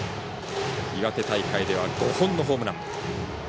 岩手大会では５本のホームラン。